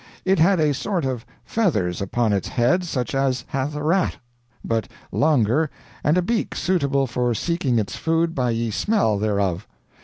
It had a sort of feathers upon its head such as hath a rat, but longer, and a beak suitable for seeking its food by ye smell thereof.